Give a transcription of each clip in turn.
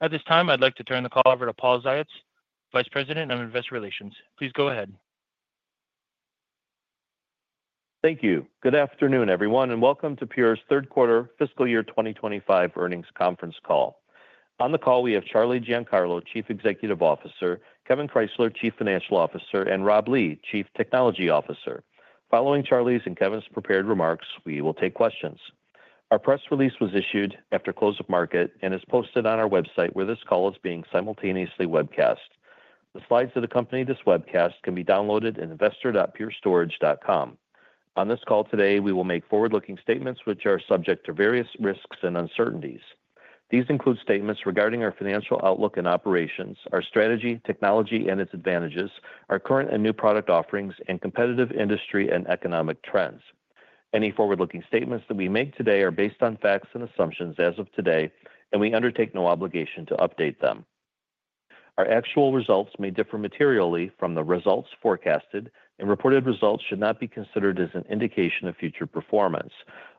At this time, I'd like to turn the call over to Paul Ziots, Vice President of Investor Relations. Please go ahead. Thank you. Good afternoon, everyone, and welcome to Pure's Third Quarter Fiscal Year 2025 Earnings Conference Call. On the call, we have Charlie Giancarlo, Chief Executive Officer, Kevan Krysler, Chief Financial Officer, and Rob Lee, Chief Technology Officer. Following Charlie's and Kevan's prepared remarks, we will take questions. Our press release was issued after close of market and is posted on our website where this call is being simultaneously webcast. The slides that accompany this webcast can be downloaded at investor.purestorage.com. On this call today, we will make forward-looking statements which are subject to various risks and uncertainties. These include statements regarding our financial outlook and operations, our strategy, technology and its advantages, our current and new product offerings, and competitive industry and economic trends. Any forward-looking statements that we make today are based on facts and assumptions as of today, and we undertake no obligation to update them. Our actual results may differ materially from the results forecasted, and reported results should not be considered as an indication of future performance.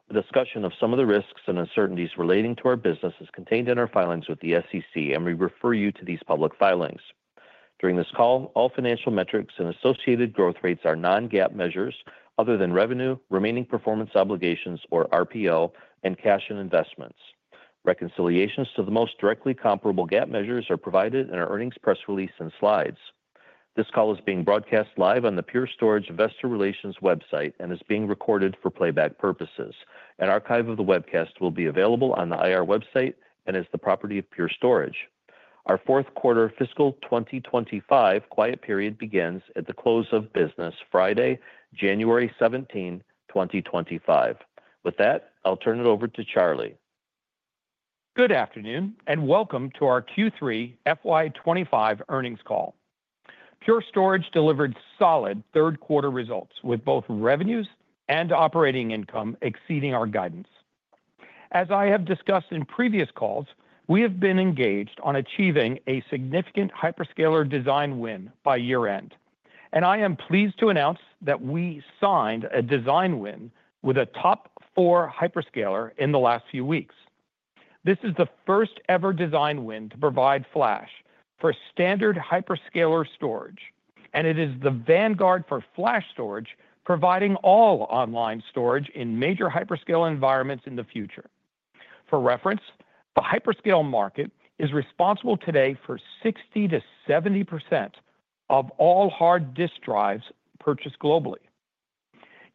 The discussion of some of the risks and uncertainties relating to our business is contained in our filings with the SEC, and we refer you to these public filings. During this call, all financial metrics and associated growth rates are Non-GAAP measures other than revenue, remaining performance obligations, or RPO, and cash and investments. Reconciliations to the most directly comparable GAAP measures are provided in our earnings press release and slides. This call is being broadcast live on the Pure Storage Investor Relations website and is being recorded for playback purposes. An archive of the webcast will be available on the IR website and is the property of Pure Storage. Our Fourth Quarter Fiscal 2025 quiet period begins at the close of business, Friday, January 17th, 2025. With that, I'll turn it over to Charlie. Good afternoon and welcome to our Q3 FY 2025 earnings call. Pure Storage delivered solid third quarter results with both revenues and operating income exceeding our guidance. As I have discussed in previous calls, we have been engaged on achieving a significant hyperscaler design win by year-end, and I am pleased to announce that we signed a design win with a top four hyperscaler in the last few weeks. This is the first-ever design win to provide flash for standard hyperscaler storage, and it is the vanguard for flash storage providing all online storage in major hyperscale environments in the future. For reference, the hyperscale market is responsible today for 60%-70% of all hard disk drives purchased globally.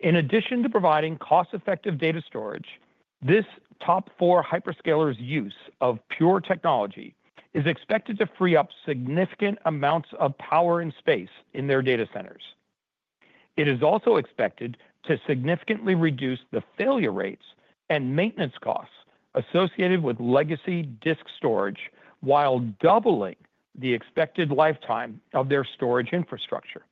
In addition to providing cost-effective data storage, this top four hyperscaler's use of Pure technology is expected to free up significant amounts of power and space in their data centers. It is also expected to significantly reduce the failure rates and maintenance costs associated with legacy disk storage while doubling the expected lifetime of their storage infrastructure.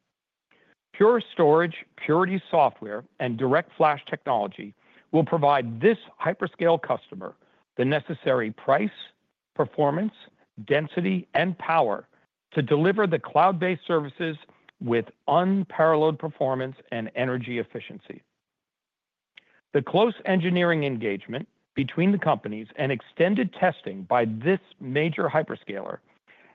Pure Storage, Purity Software, and DirectFlash Technology will provide this hyperscale customer the necessary price, performance, density, and power to deliver the cloud-based services with unparalleled performance and energy efficiency. The close engineering engagement between the companies and extended testing by this major hyperscaler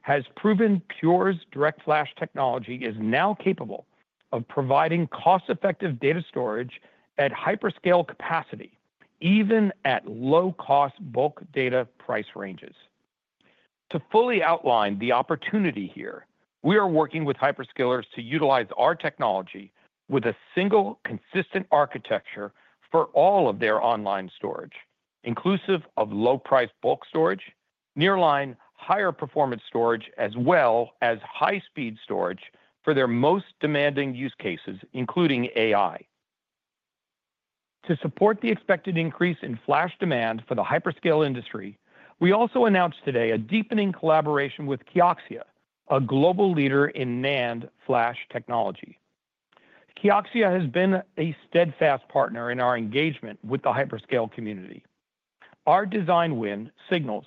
has proven Pure's DirectFlash Technology is now capable of providing cost-effective data storage at hyperscale capacity, even at low-cost bulk data price ranges. To fully outline the opportunity here, we are working with hyperscalers to utilize our technology with a single consistent architecture for all of their online storage, inclusive of low-priced bulk storage, nearline higher performance storage, as well as high-speed storage for their most demanding use cases, including AI. To support the expected increase in flash demand for the hyperscale industry, we also announced today a deepening collaboration with Kioxia, a global leader in NAND flash technology. Kioxia has been a steadfast partner in our engagement with the hyperscale community. Our design win signals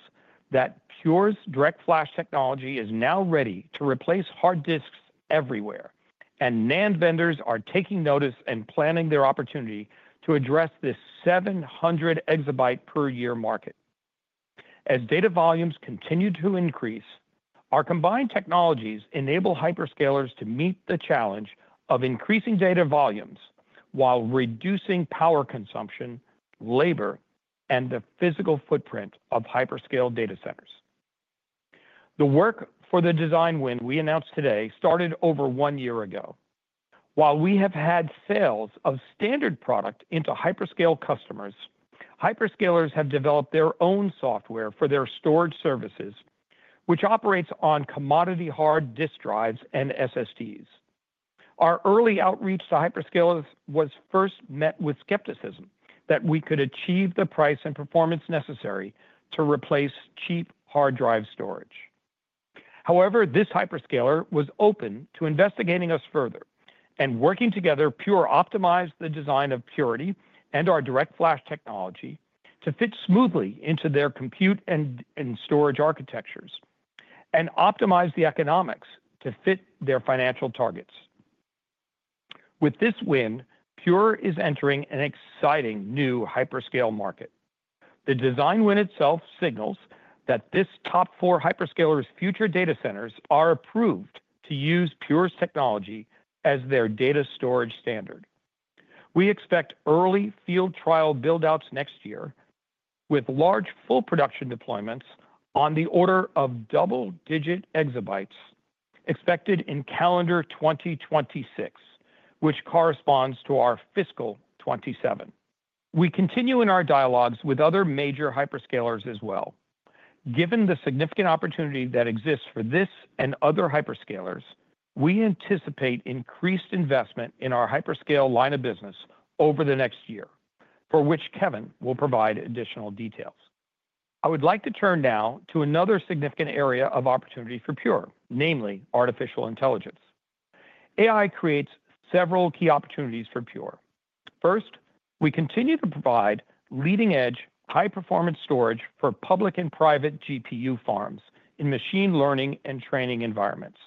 that Pure's DirectFlash Technology is now ready to replace hard disks everywhere, and NAND vendors are taking notice and planning their opportunity to address this 700 exabyte per year market. As data volumes continue to increase, our combined technologies enable hyperscalers to meet the challenge of increasing data volumes while reducing power consumption, labor, and the physical footprint of hyperscale data centers. The work for the design win we announced today started over one year ago. While we have had sales of standard product into hyperscale customers, hyperscalers have developed their own software for their storage services, which operates on commodity hard disk drives and SSDs. Our early outreach to hyperscalers was first met with skepticism that we could achieve the price and performance necessary to replace cheap hard drive storage. However, this hyperscaler was open to investigating us further, and working together, Pure optimized the design of Purity and our DirectFlash technology to fit smoothly into their compute and storage architectures and optimized the economics to fit their financial targets. With this win, Pure is entering an exciting new hyperscale market. The design win itself signals that this top four hyperscaler's future data centers are approved to use Pure's technology as their data storage standard. We expect early field trial build-outs next year with large full production deployments on the order of double-digit exabytes expected in calendar 2026, which corresponds to our fiscal 2027. We continue in our dialogues with other major hyperscalers as well. Given the significant opportunity that exists for this and other hyperscalers, we anticipate increased investment in our hyperscale line of business over the next year, for which Kevan will provide additional details. I would like to turn now to another significant area of opportunity for Pure, namely artificial intelligence. AI creates several key opportunities for Pure. First, we continue to provide leading-edge high-performance storage for public and private GPU farms in machine learning and training environments.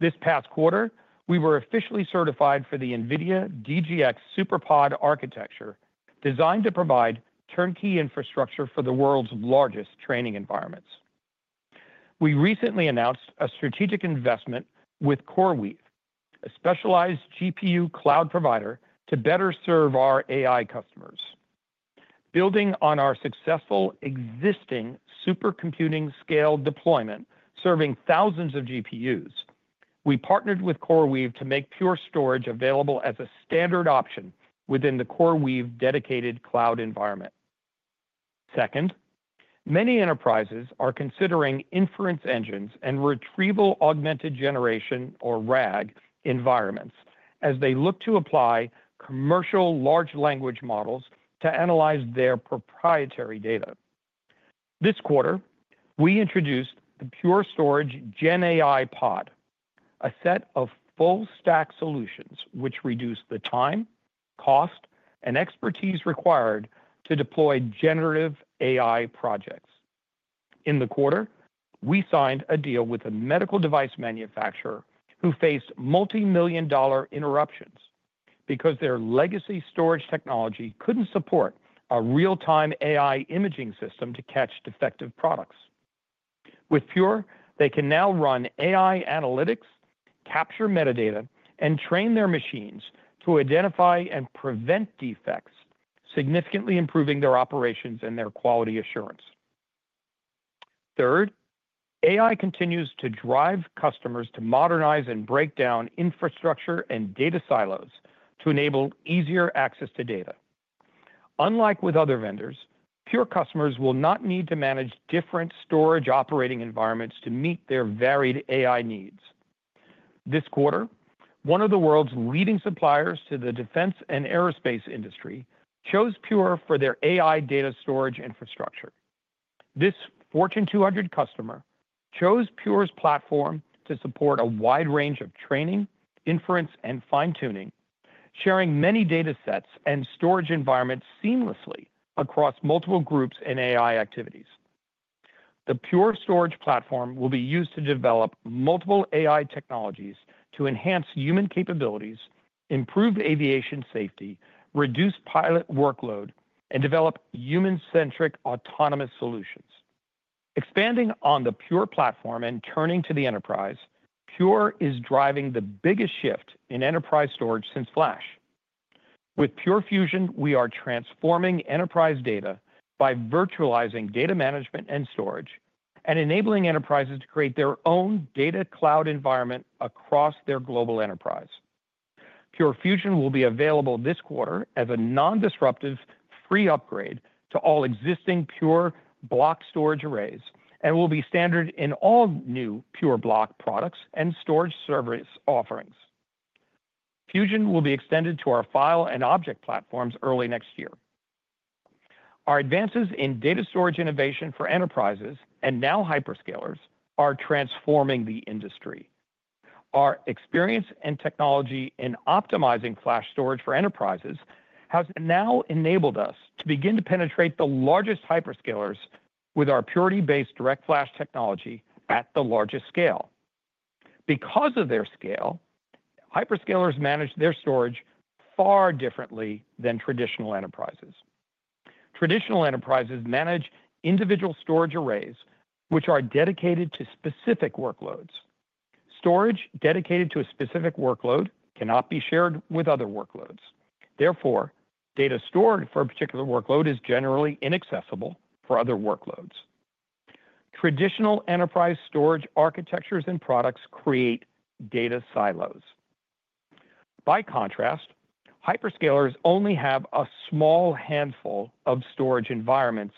This past quarter, we were officially certified for the NVIDIA DGX SuperPod architecture designed to provide turnkey infrastructure for the world's largest training environments. We recently announced a strategic investment with CoreWeave, a specialized GPU cloud provider to better serve our AI customers. Building on our successful existing supercomputing scale deployment serving thousands of GPUs, we partnered with CoreWeave to make Pure Storage available as a standard option within the CoreWeave dedicated cloud environment. Second, many enterprises are considering inference engines and retrieval augmented generation, or RAG, environments as they look to apply commercial large language models to analyze their proprietary data. This quarter, we introduced the Pure Storage GenAI Pod, a set of full-stack solutions which reduce the time, cost, and expertise required to deploy generative AI projects. In the quarter, we signed a deal with a medical device manufacturer who faced multi-million dollar interruptions because their legacy storage technology couldn't support a real-time AI imaging system to catch defective products. With Pure, they can now run AI analytics, capture metadata, and train their machines to identify and prevent defects, significantly improving their operations and their quality assurance. Third, AI continues to drive customers to modernize and break down infrastructure and data silos to enable easier access to data. Unlike with other vendors, Pure customers will not need to manage different storage operating environments to meet their varied AI needs. This quarter, one of the world's leading suppliers to the defense and aerospace industry chose Pure for their AI data storage infrastructure. This Fortune 200 customer chose Pure's platform to support a wide range of training, inference, and fine-tuning, sharing many data sets and storage environments seamlessly across multiple groups and AI activities. The Pure Storage platform will be used to develop multiple AI technologies to enhance human capabilities, improve aviation safety, reduce pilot workload, and develop human-centric autonomous solutions. Expanding on the Pure platform and turning to the enterprise, Pure is driving the biggest shift in enterprise storage since flash. With Pure Fusion, we are transforming enterprise data by virtualizing data management and storage and enabling enterprises to create their own data cloud environment across their global enterprise. Pure Fusion will be available this quarter as a non-disruptive free upgrade to all existing Pure block storage arrays and will be standard in all new Pure block products and storage service offerings. Fusion will be extended to our file and object platforms early next year. Our advances in data storage innovation for enterprises and now hyperscalers are transforming the industry. Our experience and technology in optimizing flash storage for enterprises has now enabled us to begin to penetrate the largest hyperscalers with our Purity-based DirectFlash Technology at the largest scale. Because of their scale, hyperscalers manage their storage far differently than traditional enterprises. Traditional enterprises manage individual storage arrays which are dedicated to specific workloads. Storage dedicated to a specific workload cannot be shared with other workloads. Therefore, data stored for a particular workload is generally inaccessible for other workloads. Traditional enterprise storage architectures and products create data silos. By contrast, hyperscalers only have a small handful of storage environments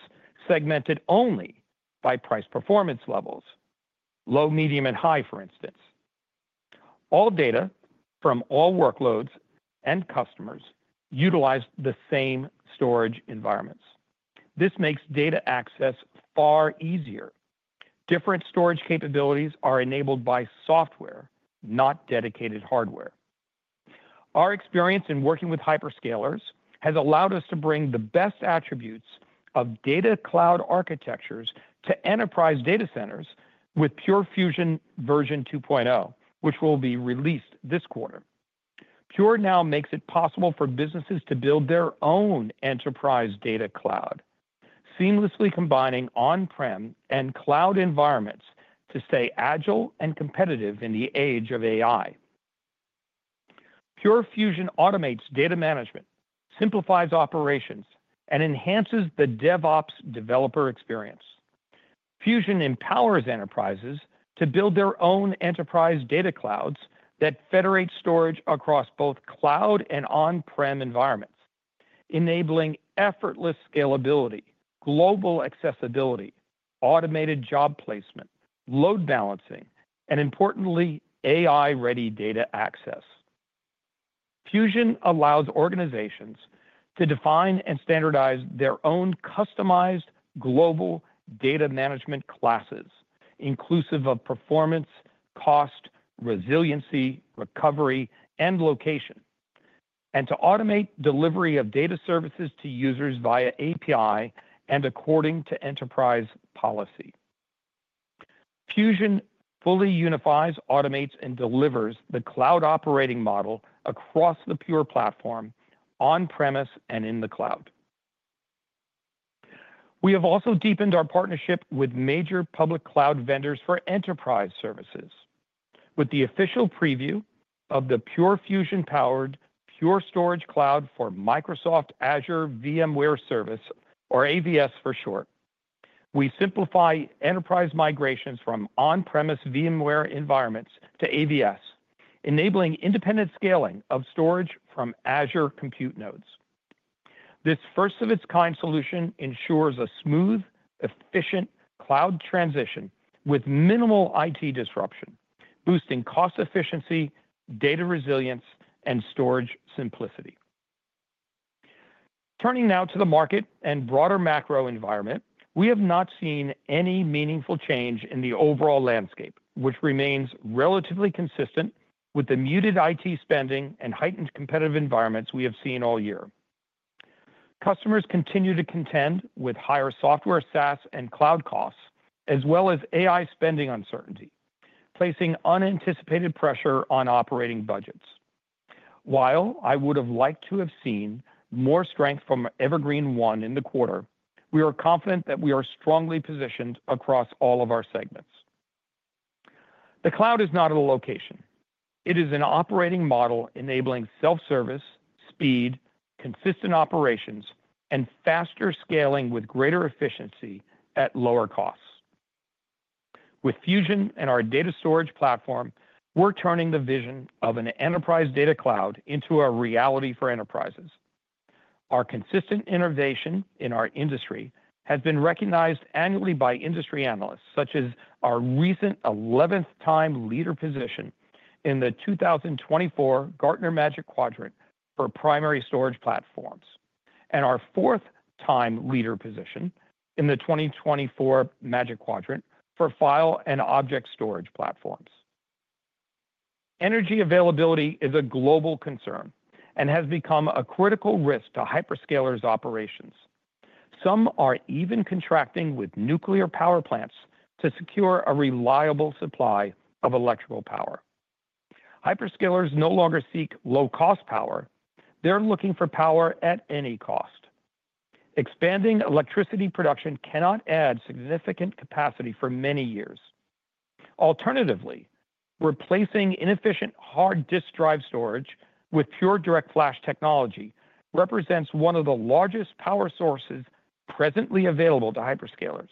segmented only by price performance levels: low, medium, and high, for instance. All data from all workloads and customers utilize the same storage environments. This makes data access far easier. Different storage capabilities are enabled by software, not dedicated hardware. Our experience in working with hyperscalers has allowed us to bring the best attributes of data cloud architectures to enterprise data centers with Pure Fusion version 2.0, which will be released this quarter. Pure now makes it possible for businesses to build their own enterprise data cloud, seamlessly combining on-prem and cloud environments to stay agile and competitive in the age of AI. Pure Fusion automates data management, simplifies operations, and enhances the DevOps developer experience. Fusion empowers enterprises to build their own enterprise data clouds that federate storage across both cloud and on-prem environments, enabling effortless scalability, global accessibility, automated job placement, load balancing, and importantly, AI-ready data access. Fusion allows organizations to define and standardize their own customized global data management classes, inclusive of performance, cost, resiliency, recovery, and location, and to automate delivery of data services to users via API and according to enterprise policy. Fusion fully unifies, automates, and delivers the cloud operating model across the Pure platform, on-premise and in the cloud. We have also deepened our partnership with major public cloud vendors for enterprise services. With the official preview of the Pure Fusion-powered Pure Storage Cloud for Microsoft Azure VMware Solution, or AVS for short, we simplify enterprise migrations from on-premises VMware environments to AVS, enabling independent scaling of storage from Azure Compute nodes. This first-of-its-kind solution ensures a smooth, efficient cloud transition with minimal IT disruption, boosting cost efficiency, data resilience, and storage simplicity. Turning now to the market and broader macro environment, we have not seen any meaningful change in the overall landscape, which remains relatively consistent with the muted IT spending and heightened competitive environments we have seen all year. Customers continue to contend with higher software SaaS and cloud costs, as well as AI spending uncertainty, placing unanticipated pressure on operating budgets. While I would have liked to have seen more strength from Evergreen//One in the quarter, we are confident that we are strongly positioned across all of our segments. The cloud is not a location. It is an operating model enabling self-service, speed, consistent operations, and faster scaling with greater efficiency at lower costs. With Fusion and our data storage platform, we're turning the vision of an enterprise data cloud into a reality for enterprises. Our consistent innovation in our industry has been recognized annually by industry analysts, such as our recent 11th-time leader position in the 2024 Gartner Magic Quadrant for primary storage platforms and our fourth-time leader position in the 2024 Magic Quadrant for file and object storage platforms. Energy availability is a global concern and has become a critical risk to hyperscalers' operations. Some are even contracting with nuclear power plants to secure a reliable supply of electrical power. Hyperscalers no longer seek low-cost power. They're looking for power at any cost. Expanding electricity production cannot add significant capacity for many years. Alternatively, replacing inefficient hard disk drive storage with Pure DirectFlash Technology represents one of the largest power sources presently available to hyperscalers.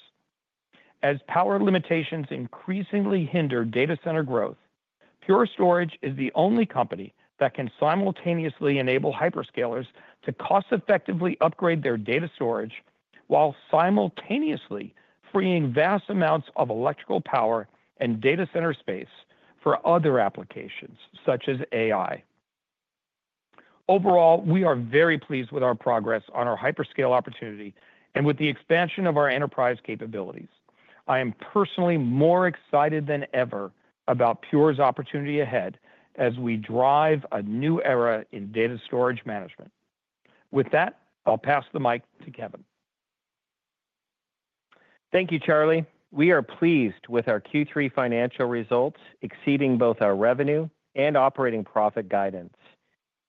As power limitations increasingly hinder data center growth, Pure Storage is the only company that can simultaneously enable hyperscalers to cost-effectively upgrade their data storage while simultaneously freeing vast amounts of electrical power and data center space for other applications, such as AI. Overall, we are very pleased with our progress on our hyperscale opportunity and with the expansion of our enterprise capabilities. I am personally more excited than ever about Pure's opportunity ahead as we drive a new era in data storage management. With that, I'll pass the mic to Kevan. Thank you, Charlie. We are pleased with our Q3 financial results exceeding both our revenue and operating profit guidance.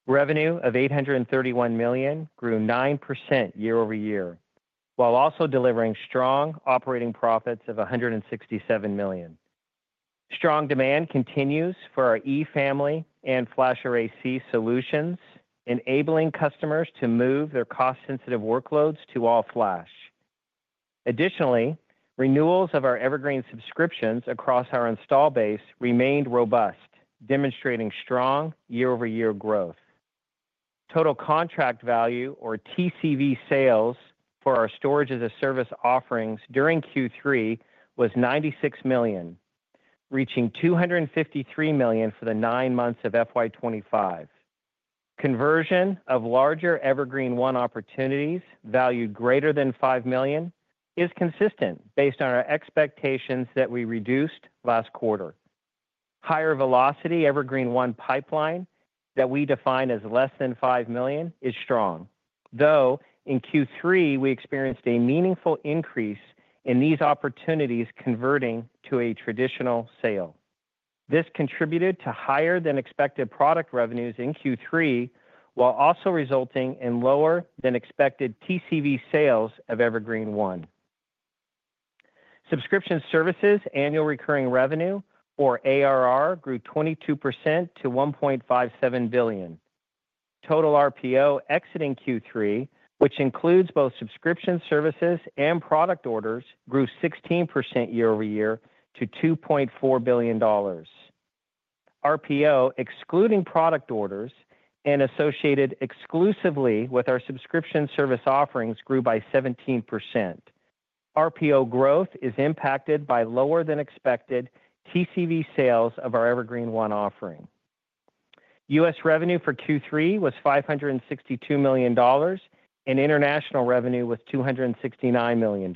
Revenue of $831 million grew 9% year over year while also delivering strong operating profits of $167 million. Strong demand continues for our E Family and FlashArray//C solutions, enabling customers to move their cost-sensitive workloads to all-flash. Additionally, renewals of our Evergreen subscriptions across our installed base remained robust, demonstrating strong year-over-year growth. Total contract value, or TCV sales, for our storage-as-a-service offerings during Q3 was $96 million, reaching $253 million for the nine months of FY 2025. Conversion of larger Evergreen//One opportunities valued greater than $5 million is consistent based on our expectations that we reduced last quarter. Higher velocity Evergreen//One pipeline that we define as less than $5 million is strong, though in Q3, we experienced a meaningful increase in these opportunities converting to a traditional sale. This contributed to higher-than-expected product revenues in Q3 while also resulting in lower-than-expected TCV sales of Evergreen//One. Subscription services' annual recurring revenue, or ARR, grew 22% to $1.57 billion. Total RPO exiting Q3, which includes both subscription services and product orders, grew 16% year over year to $2.4 billion. RPO excluding product orders and associated exclusively with our subscription service offerings grew by 17%. RPO growth is impacted by lower-than-expected TCV sales of our Evergreen//One offering. U.S. revenue for Q3 was $562 million and international revenue was $269 million.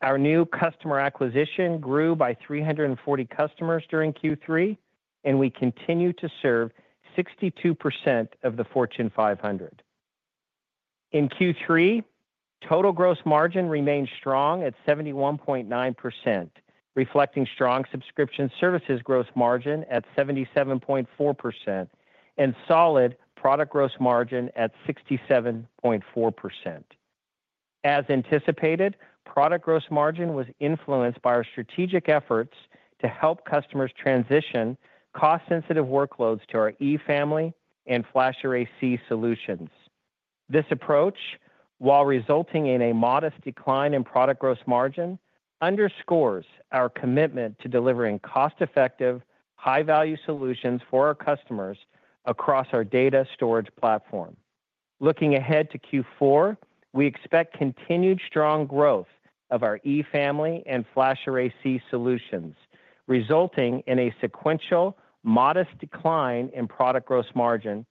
Our new customer acquisition grew by 340 customers during Q3, and we continue to serve 62% of the Fortune 500. In Q3, total gross margin remained strong at 71.9%, reflecting strong subscription services gross margin at 77.4% and solid product gross margin at 67.4%. As anticipated, product gross margin was influenced by our strategic efforts to help customers transition cost-sensitive workloads to our E Family and FlashArray//C solutions. This approach, while resulting in a modest decline in product gross margin, underscores our commitment to delivering cost-effective, high-value solutions for our customers across our data storage platform. Looking ahead to Q4, we expect continued strong growth of our E Family and FlashArray//C solutions, resulting in a sequential modest decline in product gross margin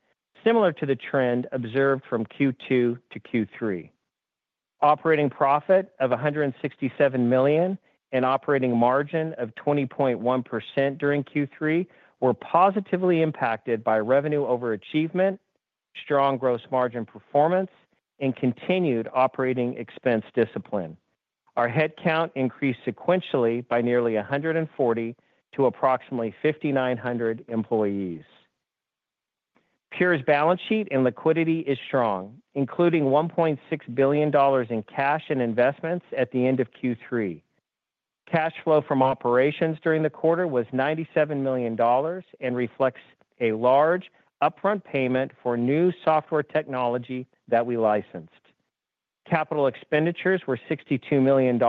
similar to the trend observed from Q2 to Q3. Operating profit of $167 million and operating margin of 20.1% during Q3 were positively impacted by revenue overachievement, strong gross margin performance, and continued operating expense discipline. Our headcount increased sequentially by nearly 140 to approximately 5,900 employees. Pure's balance sheet and liquidity is strong, including $1.6 billion in cash and investments at the end of Q3. Cash flow from operations during the quarter was $97 million and reflects a large upfront payment for new software technology that we licensed. Capital expenditures were $62 million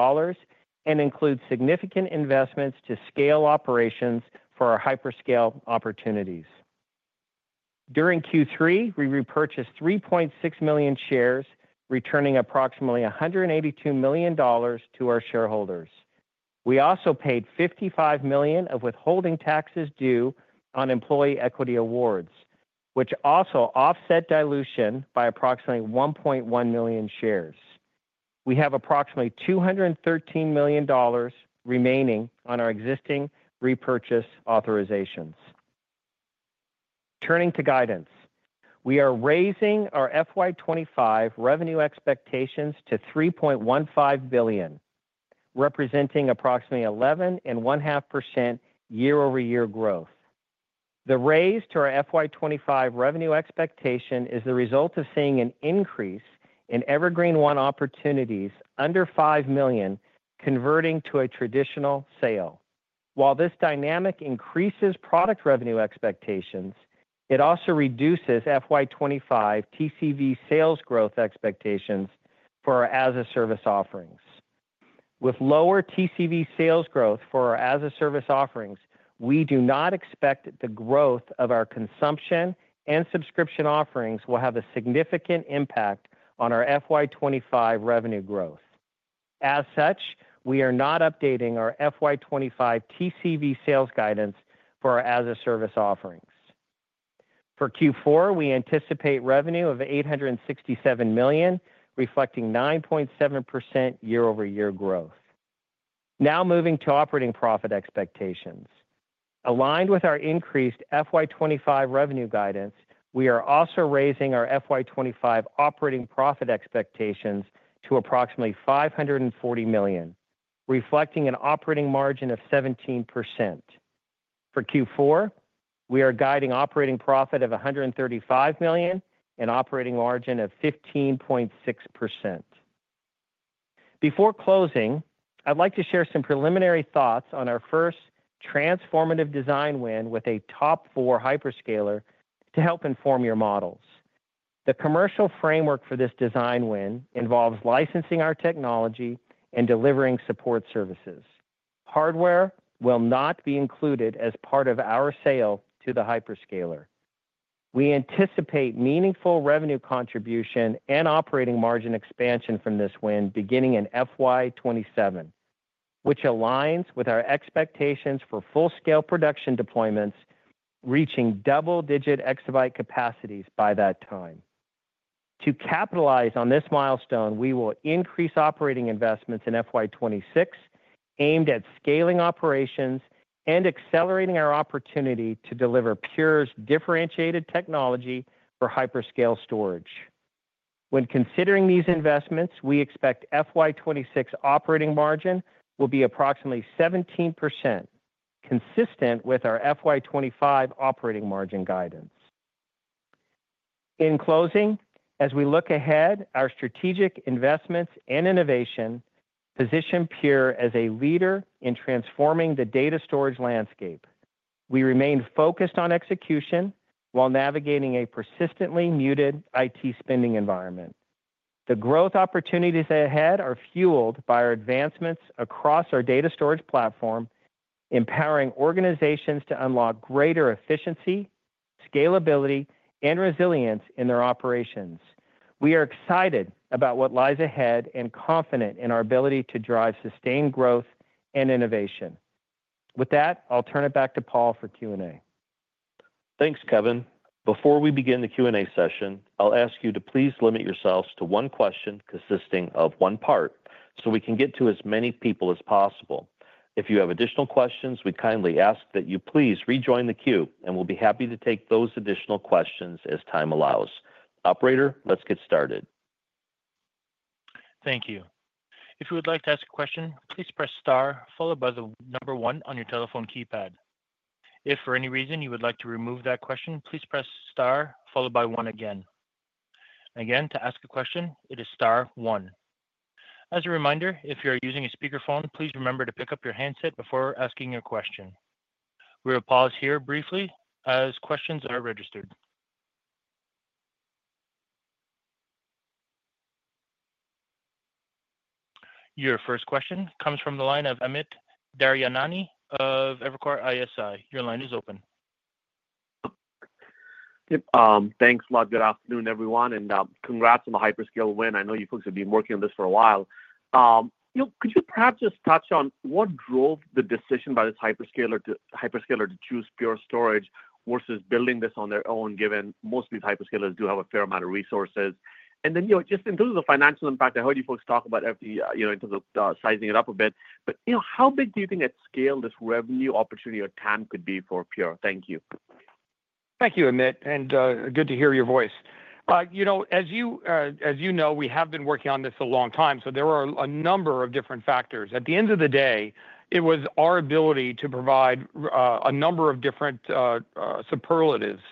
and include significant investments to scale operations for our hyperscale opportunities. During Q3, we repurchased 3.6 million shares, returning approximately $182 million to our shareholders. We also paid $55 million of withholding taxes due on employee equity awards, which also offset dilution by approximately 1.1 million shares. We have approximately $213 million remaining on our existing repurchase authorizations. Turning to guidance, we are raising our FY 2025 revenue expectations to $3.15 billion, representing approximately 11.5% year-over-year growth. The raise to our FY 2025 revenue expectation is the result of seeing an increase in Evergreen//One opportunities under $5 million converting to a traditional sale. While this dynamic increases product revenue expectations, it also reduces FY 2025 TCV sales growth expectations for our as-a-service offerings. With lower TCV sales growth for our as-a-service offerings, we do not expect the growth of our consumption and subscription offerings will have a significant impact on our FY 2025 revenue growth. As such, we are not updating our FY 2025 TCV sales guidance for our as-a-service offerings. For Q4, we anticipate revenue of $867 million, reflecting 9.7% year-over-year growth. Now moving to operating profit expectations. Aligned with our increased FY25 revenue guidance, we are also raising our FY 2025 operating profit expectations to approximately $540 million, reflecting an operating margin of 17%. For Q4, we are guiding operating profit of $135 million and operating margin of 15.6%. Before closing, I'd like to share some preliminary thoughts on our first transformative design win with a top four hyperscaler to help inform your models. The commercial framework for this design win involves licensing our technology and delivering support services. Hardware will not be included as part of our sale to the hyperscaler. We anticipate meaningful revenue contribution and operating margin expansion from this win beginning in FY 2027, which aligns with our expectations for full-scale production deployments reaching double-digit exabyte capacities by that time. To capitalize on this milestone, we will increase operating investments in FY 2026 aimed at scaling operations and accelerating our opportunity to deliver Pure's differentiated technology for hyperscale storage. When considering these investments, we expect FY 2026 operating margin will be approximately 17%, consistent with our FY 2025 operating margin guidance. In closing, as we look ahead, our strategic investments and innovation position Pure as a leader in transforming the data storage landscape. We remain focused on execution while navigating a persistently muted IT spending environment. The growth opportunities ahead are fueled by our advancements across our data storage platform, empowering organizations to unlock greater efficiency, scalability, and resilience in their operations. We are excited about what lies ahead and confident in our ability to drive sustained growth and innovation. With that, I'll turn it back to Paul for Q&A. Thanks, Kevan. Before we begin the Q&A session, I'll ask you to please limit yourselves to one question consisting of one part so we can get to as many people as possible. If you have additional questions, we kindly ask that you please rejoin the queue, and we'll be happy to take those additional questions as time allows. Operator, let's get started. Thank you. If you would like to ask a question, please press star followed by the number one on your telephone keypad. If for any reason you would like to remove that question, please press star followed by one again. Again, to ask a question, it is star one. As a reminder, if you are using a speakerphone, please remember to pick up your handset before asking your question. We will pause here briefly as questions are registered. Your first question comes from the line of Amit Daryanani of Evercore ISI. Your line is open. Thanks a lot. Good afternoon, everyone, and congrats on the hyperscaler win. I know you folks have been working on this for a while. Could you perhaps just touch on what drove the decision by this hyperscaler to choose Pure Storage versus building this on their own, given most of these hyperscalers do have a fair amount of resources? And then just in terms of the financial impact, I heard you folks talk about in terms of sizing it up a bit. But how big do you think at scale this revenue opportunity or TAM could be for Pure? Thank you. Thank you, Amit, and good to hear your voice. As you know, we have been working on this a long time, so there were a number of different factors. At the end of the day, it was our ability to provide a number of different superlatives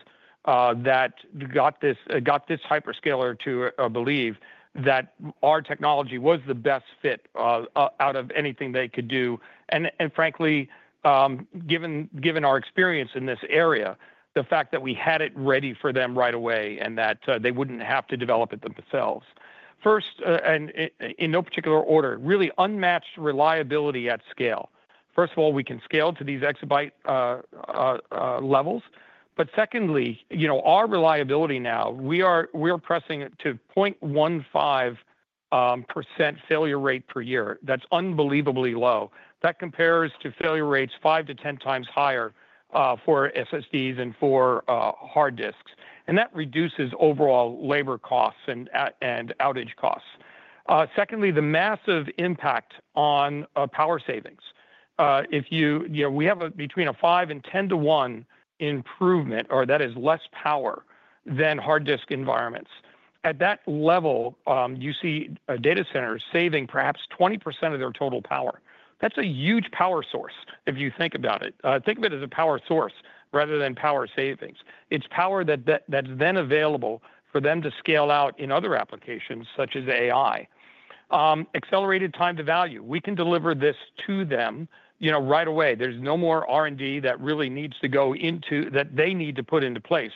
that got this hyperscaler to believe that our technology was the best fit out of anything they could do. And frankly, given our experience in this area, the fact that we had it ready for them right away and that they wouldn't have to develop it themselves. First, and in no particular order, really unmatched reliability at scale. First of all, we can scale to these exabyte levels, but secondly, our reliability now, we are pressing to 0.15% failure rate per year. That's unbelievably low. That compares to failure rates five- to ten-times higher for SSDs and for hard disks, and that reduces overall labor costs and outage costs. Secondly, the massive impact on power savings. We have between a five- and ten-to-one improvement, or that is less power than hard disk environments. At that level, you see data centers saving perhaps 20% of their total power. That's a huge power source if you think about it. Think of it as a power source rather than power savings. It's power that's then available for them to scale out in other applications such as AI. Accelerated time to value. We can deliver this to them right away. There's no more R&D that really needs to go into that they need to put into place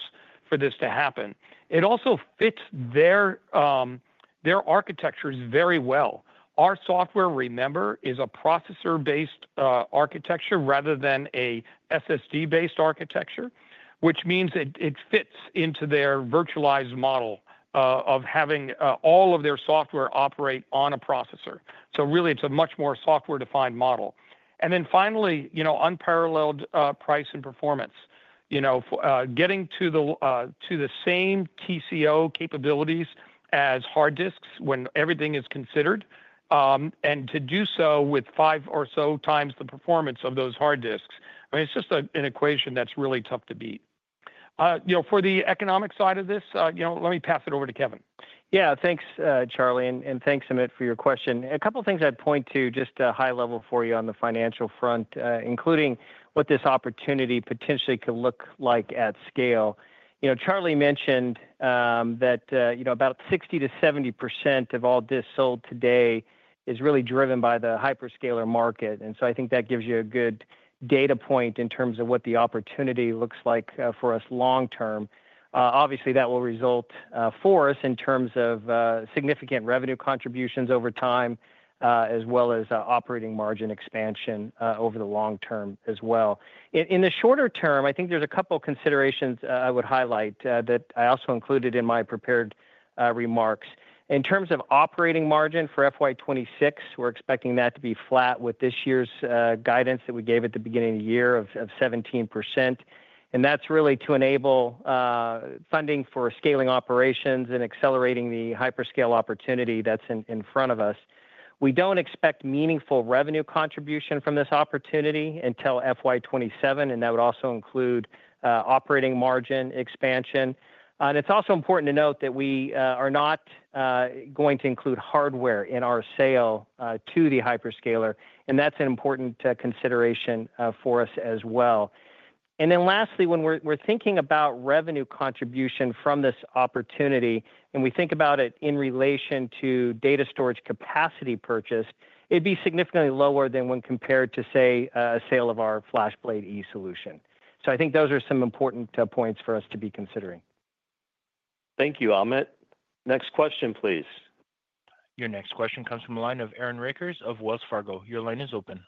for this to happen. It also fits their architectures very well. Our software, remember, is a processor-based architecture rather than an SSD-based architecture, which means it fits into their virtualized model of having all of their software operate on a processor. So really, it's a much more software-defined model. And then finally, unparalleled price and performance. Getting to the same TCO capabilities as hard disks when everything is considered, and to do so with five or so times the performance of those hard disks. I mean, it's just an equation that's really tough to beat. For the economic side of this, let me pass it over to Kevan. Yeah, thanks, Charlie, and thanks, Amit, for your question. A couple of things I'd point to just high level for you on the financial front, including what this opportunity potentially could look like at scale. Charlie mentioned that about 60%-70% of all disks sold today is really driven by the hyperscaler market, and so I think that gives you a good data point in terms of what the opportunity looks like for us long term. Obviously, that will result for us in terms of significant revenue contributions over time, as well as operating margin expansion over the long term as well. In the shorter term, I think there's a couple of considerations I would highlight that I also included in my prepared remarks. In terms of operating margin for FY 2026, we're expecting that to be flat with this year's guidance that we gave at the beginning of the year of 17%. That's really to enable funding for scaling operations and accelerating the hyperscale opportunity that's in front of us. We don't expect meaningful revenue contribution from this opportunity until FY 2027, and that would also include operating margin expansion. It's also important to note that we are not going to include hardware in our sale to the hyperscaler, and that's an important consideration for us as well. Then lastly, when we're thinking about revenue contribution from this opportunity, and we think about it in relation to data storage capacity purchase, it'd be significantly lower than when compared to, say, a sale of our FlashBlade//E solution. I think those are some important points for us to be considering. Thank you, Amit. Next question, please. Your next question comes from the line of Aaron Rakers of Wells Fargo. Your line is open.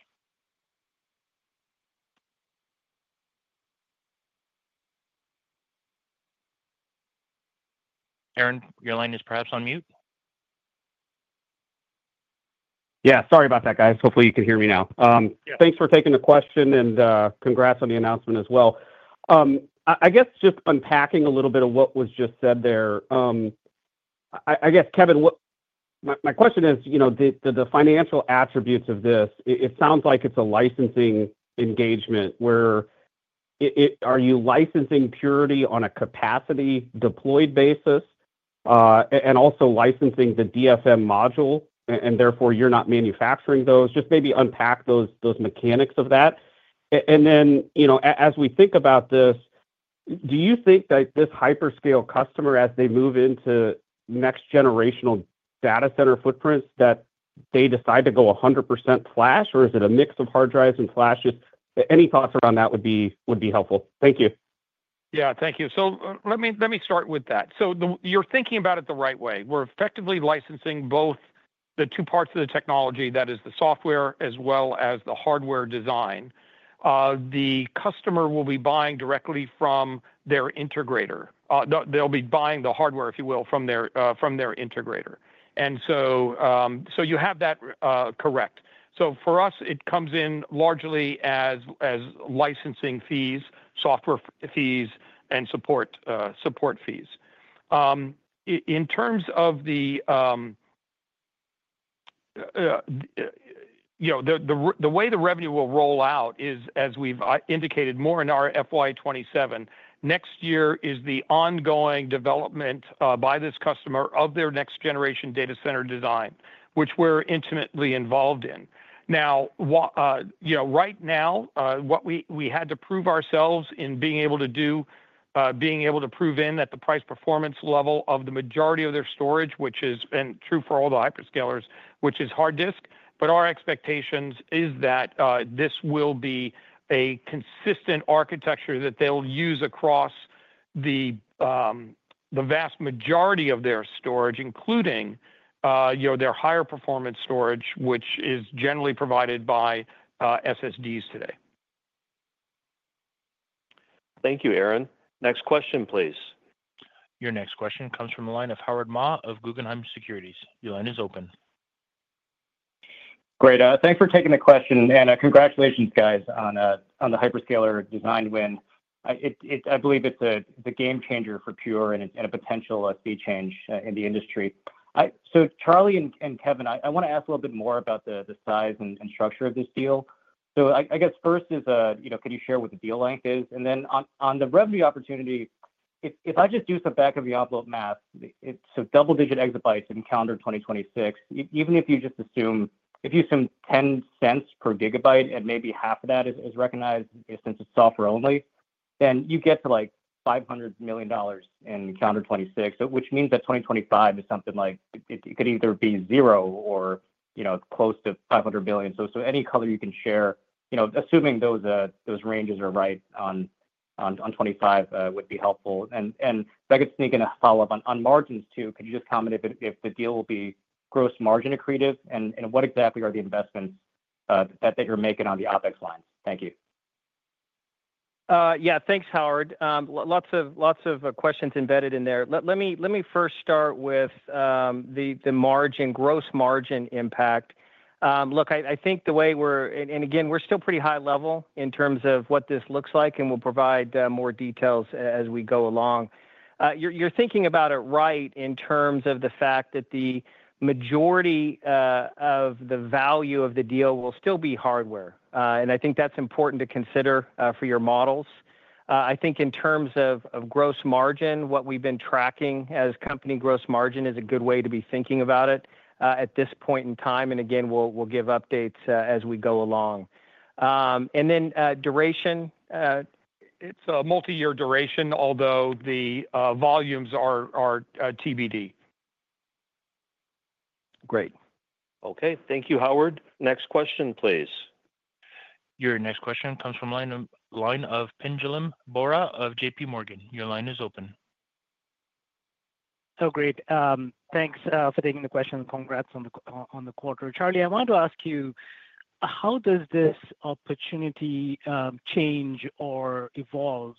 Aaron, your line is perhaps on mute. Yeah, sorry about that, guys. Hopefully, you could hear me now. Thanks for taking the question, and congrats on the announcement as well. I guess just unpacking a little bit of what was just said there. I guess, Kevan, my question is, the financial attributes of this. It sounds like it's a licensing engagement where you are licensing Purity on a capacity-deployed basis and also licensing the DFM module, and therefore you're not manufacturing those? Just maybe unpack those mechanics of that. And then as we think about this, do you think that this hyperscale customer, as they move into next-generational data center footprints, that they decide to go 100% flash, or is it a mix of hard drives and flashes? Any thoughts around that would be helpful. Thank you. Yeah, thank you. Let me start with that. You're thinking about it the right way. We're effectively licensing both the two parts of the technology, that is the software as well as the hardware design. The customer will be buying directly from their integrator. They'll be buying the hardware, if you will, from their integrator. And so you have that correct. So for us, it comes in largely as licensing fees, software fees, and support fees. In terms of the way the revenue will roll out is, as we've indicated more in our FY 2027, next year is the ongoing development by this customer of their next-generation data center design, which we're intimately involved in. Now, right now, we had to prove ourselves in being able to do, being able to prove in at the price performance level of the majority of their storage, which is true for all the hyperscalers, which is hard disk. But our expectation is that this will be a consistent architecture that they'll use across the vast majority of their storage, including their higher performance storage, which is generally provided by SSDs today. Thank you, Aaron. Next question, please. Your next question comes from the line of Howard Ma of Guggenheim Securities. Your line is open. Great. Thanks for taking the question. And congratulations, guys, on the hyperscaler design win. I believe it's a game changer for Pure and a potential sea change in the industry. So Charlie and Kevan, I want to ask a little bit more about the size and structure of this deal. So I guess first is, can you share what the deal length is? Then on the revenue opportunity, if I just do some back-of-the-envelope math, so double-digit exabytes in calendar 2026, even if you just assume, if you assume 10 cents per gigabyte and maybe half of that is recognized since it's software only, then you get to like $500 million in calendar 2026, which means that 2025 is something like it could either be zero or close to $500 million. So any color you can share, assuming those ranges are right on 2025, would be helpful. I guess I'm thinking a follow-up on margins too. Could you just comment if the deal will be gross margin accretive? And what exactly are the investments that you're making on the OpEx lines? Thank you. Yeah, thanks, Howard. Lots of questions embedded in there. Let me first start with the margin, gross margin impact. Look, I think the way we're, and again, we're still pretty high level in terms of what this looks like, and we'll provide more details as we go along. You're thinking about it right in terms of the fact that the majority of the value of the deal will still be hardware. And I think that's important to consider for your models. I think in terms of gross margin, what we've been tracking as company gross margin is a good way to be thinking about it at this point in time. And again, we'll give updates as we go along. And then duration, it's a multi-year duration, although the volumes are TBD. Great. Okay, thank you, Howard. Next question, please. Your next question comes from the line of Pinjalim Bora of JPMorgan. Your line is open. So great. Thanks for taking the question. Congrats on the quarter. Charlie, I wanted to ask you, how does this opportunity change or evolve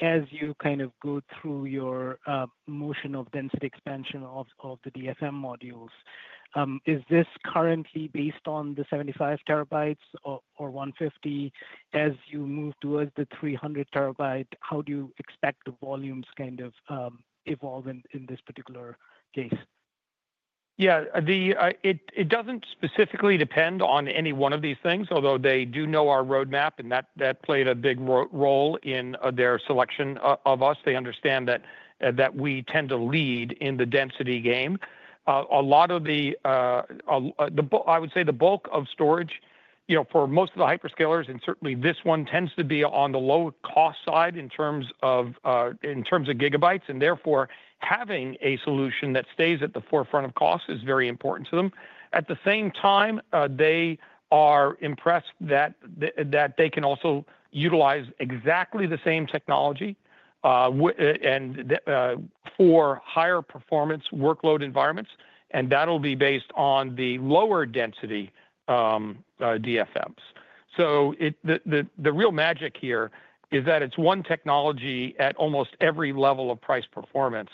as you kind of go through your motion of density expansion of the DFM modules? Is this currently based on the 75 terabytes or 150? As you move towards the 300 terabyte, how do you expect the volumes kind of evolve in this particular case? Yeah, it doesn't specifically depend on any one of these things, although they do know our roadmap, and that played a big role in their selection of us. They understand that we tend to lead in the density game. A lot of the, I would say the bulk of storage for most of the hyperscalers, and certainly this one tends to be on the low-cost side in terms of gigabytes. And therefore, having a solution that stays at the forefront of cost is very important to them. At the same time, they are impressed that they can also utilize exactly the same technology for higher performance workload environments, and that'll be based on the lower density DFMs. So the real magic here is that it's one technology at almost every level of price performance.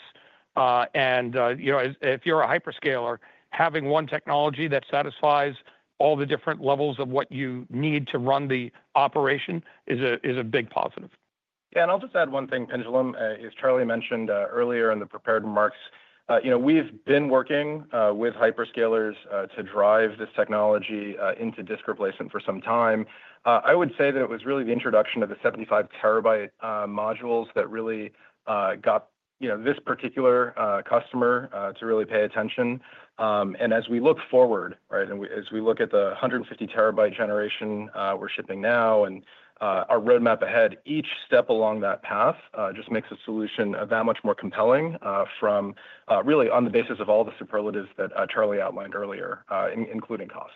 And if you're a hyperscaler, having one technology that satisfies all the different levels of what you need to run the operation is a big positive. Yeah, and I'll just add one thing, Pinjalim. As Charlie mentioned earlier in the prepared remarks, we've been working with hyperscalers to drive this technology into disk replacement for some time. I would say that it was really the introduction of the 75-terabyte modules that really got this particular customer to really pay attention. And as we look forward, as we look at the 150 terabyte generation we're shipping now and our roadmap ahead, each step along that path just makes a solution that much more compelling from really on the basis of all the superlatives that Charlie outlined earlier, including cost.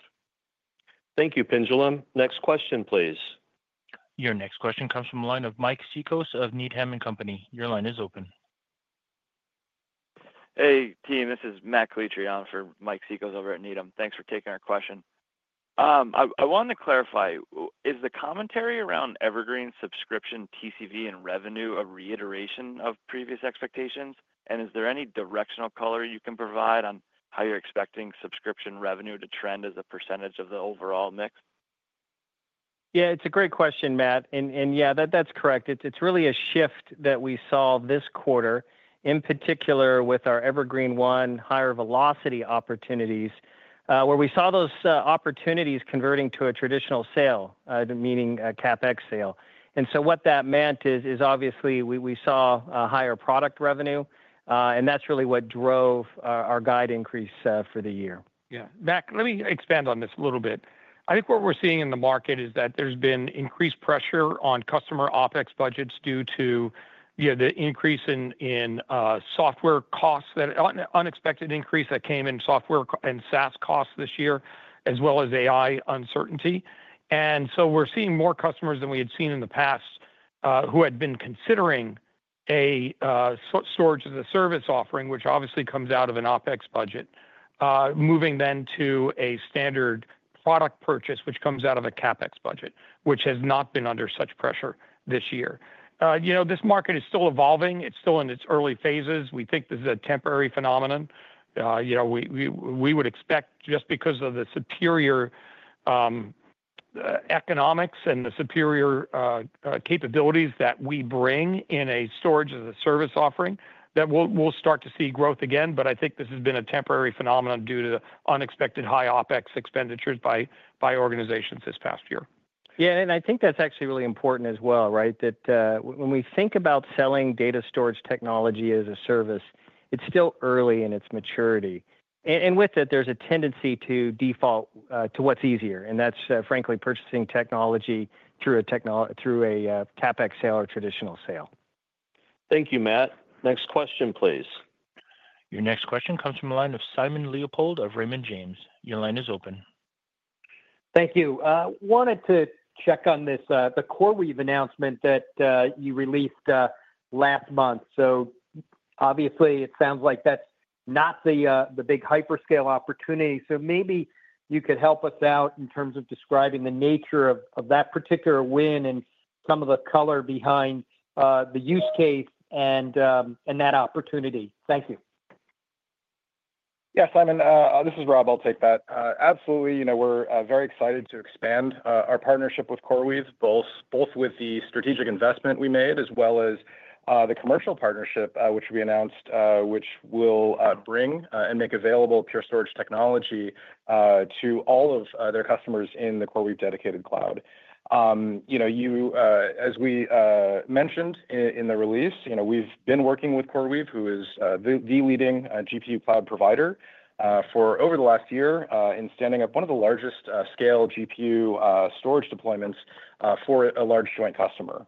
Thank you, Pinjalim. Next question, please. Your next question comes from the line of Mike Cikos of Needham & Company. Your line is open. Hey, team, this is Matt [Litchi] for Mike Cikos over at Needham. Thanks for taking our question. I wanted to clarify, is the commentary around Evergreen subscription TCV and revenue a reiteration of previous expectations? And is there any directional color you can provide on how you're expecting subscription revenue to trend as a percentage of the overall mix? Yeah, it's a great question, Matt. And yeah, that's correct. It's really a shift that we saw this quarter, in particular with our Evergreen//One higher velocity opportunities, where we saw those opportunities converting to a traditional sale, meaning a CapEx sale. And so what that meant is, obviously, we saw higher product revenue, and that's really what drove our guide increase for the year. Yeah, Matt, let me expand on this a little bit. I think what we're seeing in the market is that there's been increased pressure on customer OpEx budgets due to the increase in software costs, that unexpected increase that came in software and SaaS costs this year, as well as AI uncertainty. And so we're seeing more customers than we had seen in the past who had been considering a storage as a service offering, which obviously comes out of an OpEx budget, moving then to a standard product purchase, which comes out of a CapEx budget, which has not been under such pressure this year. This market is still evolving. It's still in its early phases. We think this is a temporary phenomenon. We would expect just because of the superior economics and the superior capabilities that we bring in a storage as a service offering that we'll start to see growth again. But I think this has been a temporary phenomenon due to unexpected high OpEx expenditures by organizations this past year. Yeah, and I think that's actually really important as well, right? That when we think about selling data storage technology as a service, it's still early in its maturity. And with it, there's a tendency to default to what's easier. And that's, frankly, purchasing technology through a CapEx sale or traditional sale. Thank you, Matt. Next question, please. Your next question comes from the line of Simon Leopold of Raymond James. Your line is open. Thank you. Wanted to check on the CoreWeave announcement that you released last month. So obviously, it sounds like that's not the big hyperscale opportunity. So maybe you could help us out in terms of describing the nature of that particular win and some of the color behind the use case and that opportunity. Thank you. Yeah, Simon, this is Rob. I'll take that. Absolutely. We're very excited to expand our partnership with CoreWeave, both with the strategic investment we made as well as the commercial partnership, which we announced, which will bring and make available Pure Storage technology to all of their customers in the CoreWeave dedicated cloud. As we mentioned in the release, we've been working with CoreWeave, who is the leading GPU cloud provider for over the last year in standing up one of the largest scale GPU storage deployments for a large joint customer,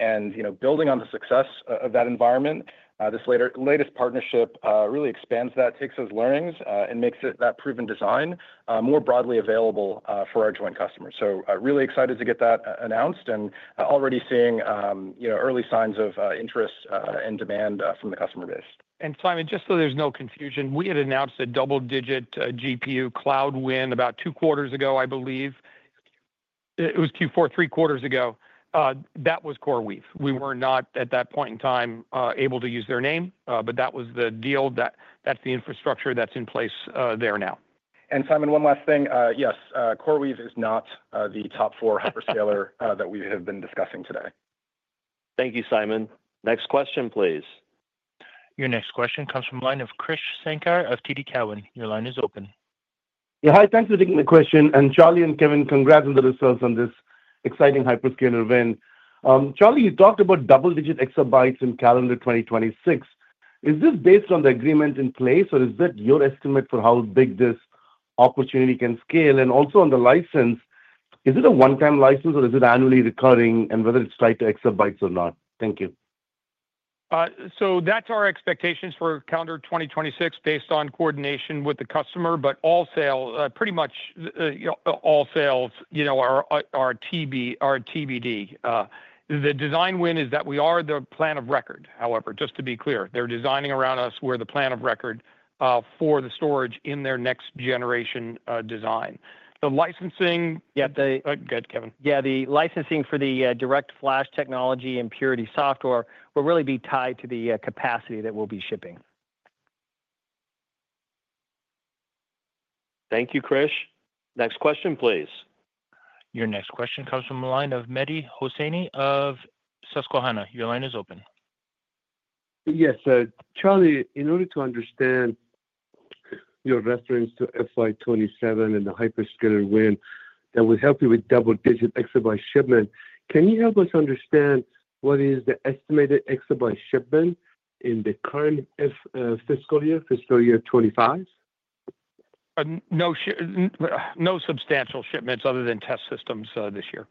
and building on the success of that environment, this latest partnership really expands that, takes those learnings, and makes that proven design more broadly available for our joint customers, so really excited to get that announced and already seeing early signs of interest and demand from the customer base. And Simon, just so there's no confusion, we had announced a double-digit GPU cloud win about two quarters ago, I believe. It was Q4, three quarters ago. That was CoreWeave. We were not at that point in time able to use their name, but that was the deal. That's the infrastructure that's in place there now. And Simon, one last thing. Yes, CoreWeave is not the top four hyperscaler that we have been discussing today. Thank you, Simon. Next question, please. Your next question comes from the line of Krish Sankar of TD Cowen. Your line is open. Yeah, hi, thanks for taking the question. And Charlie and Kevan, congrats on the results on this exciting hyperscaler win. Charlie, you talked about double-digit exabytes in calendar 2026. Is this based on the agreement in place, or is that your estimate for how big this opportunity can scale? And also on the license, is it a one-time license, or is it annually recurring, and whether it's tied to exabytes or not? Thank you. So that's our expectations for calendar 2026 based on coordination with the customer, but all sales, pretty much all sales are TBD. The design win is that we are the plan of record, however, just to be clear. They're designing around us where the plan of record for the storage in their next generation design. The licensing. Good, Kevan. The licensing for the DirectFlash technology and Purity software will really be tied to the capacity that we'll be shipping. Thank you, Krish. Next question, please. Your next question comes from the line of Mehdi Hosseini of Susquehanna. Your line is open. Yes, Charlie, in order to understand your reference to FY 2027 and the hyperscaler win that will help you with double-digit exabyte shipment, can you help us understand what is the estimated exabyte shipment in the current fiscal year, fiscal year 2025? No substantial shipments other than test systems this year.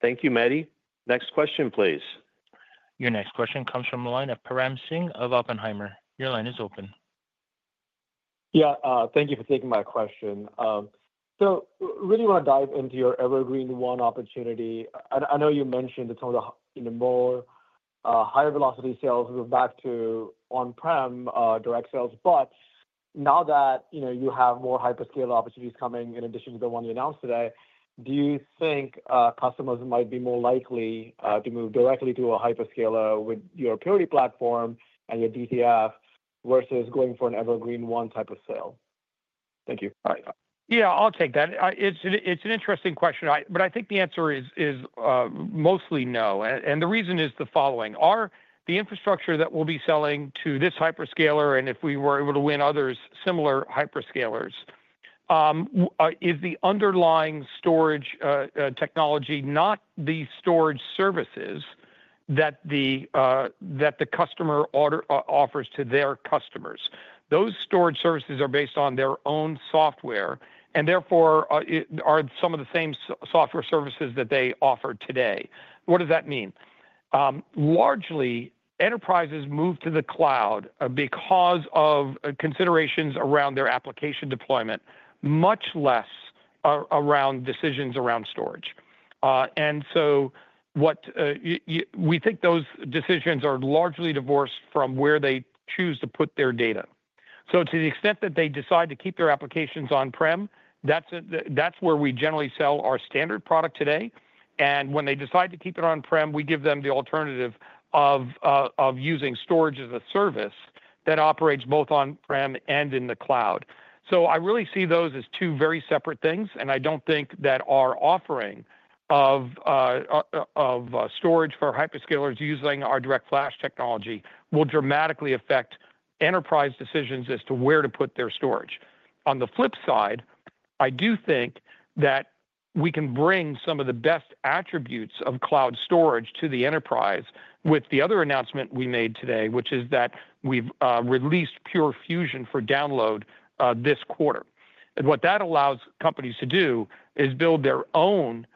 Thank you, Mehdi. Next question, please. Your next question comes from the line of Param Singh of Oppenheimer. Your line is open. Yeah, thank you for taking my question. So really want to dive into your Evergreen//One opportunity. I know you mentioned it's on the more higher velocity sales. We're back to on-prem direct sales. But now that you have more hyperscale opportunities coming in addition to the one you announced today, do you think customers might be more likely to move directly to a hyperscaler with your Purity platform and your DirectFlash versus going for an Evergreen//One type of sale? Thank you. All right. Yeah, I'll take that. It's an interesting question, but I think the answer is mostly no. And the reason is the following. The infrastructure that we'll be selling to this hyperscaler, and if we were able to win others similar hyperscalers, is the underlying storage technology, not the storage services that the customer offers to their customers. Those storage services are based on their own software and therefore are some of the same software services that they offer today. What does that mean? Largely, enterprises move to the cloud because of considerations around their application deployment, much less around decisions around storage. And so we think those decisions are largely divorced from where they choose to put their data. So to the extent that they decide to keep their applications on-prem, that's where we generally sell our standard product today. And when they decide to keep it on-prem, we give them the alternative of using storage as a service that operates both on-prem and in the cloud. So I really see those as two very separate things. And I don't think that our offering of storage for hyperscalers using our DirectFlash Technology will dramatically affect enterprise decisions as to where to put their storage. On the flip side, I do think that we can bring some of the best attributes of cloud storage to the enterprise with the other announcement we made today, which is that we've released Pure Fusion for download this quarter. And what that allows companies to do is build their own